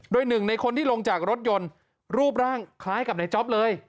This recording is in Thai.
โดยหนึ่งในคนที่ลงจากรถยนต์รูปร่างคล้ายกับในจ๊อปเลย